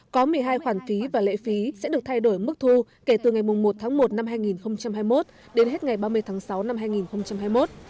có một mươi hai khoản phí và lệ phí sẽ được thay đổi mức thu kể từ ngày một tháng một năm hai nghìn hai mươi một đến hết ngày ba mươi tháng sáu năm hai nghìn hai mươi một